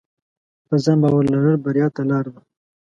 په ځان باور لرل بریا ته لار ده.